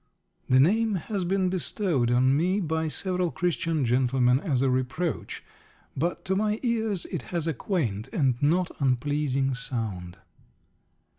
The name has been bestowed on me by several Christian gentlemen as a reproach, but to my ears it has a quaint and not unpleasing sound.